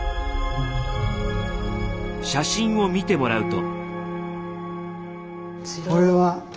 写真を見てもらうと。